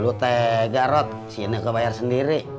lo tega rod si neke bayar sendiri